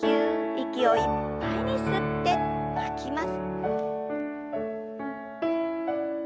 息をいっぱいに吸って吐きます。